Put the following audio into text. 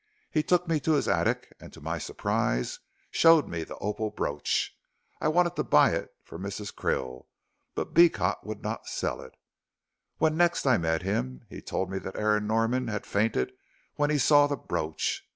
He took me to his attic and to my surprise showed me the opal brooch. I wanted to buy it for Mrs. Krill, but Beecot would not sell it. When next I met him, he told me that Aaron Norman had fainted when he saw the brooch.